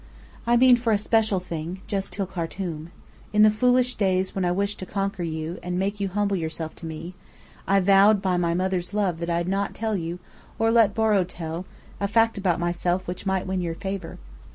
"I mean for a special thing just till Khartum. In the foolish days when I wished to conquer you, and make you humble yourself to me, I vowed by my mother's love that I'd not tell you, or let Borrow tell, a fact about myself which might win your favour.